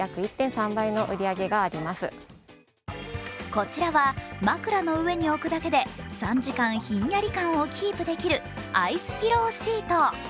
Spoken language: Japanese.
こちらは枕の上に置くだけで３時間ひんやり感をキープできるアイスピローシート。